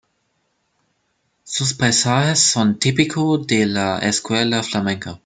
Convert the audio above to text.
Sus paisajes son típicos de la escuela flamenca.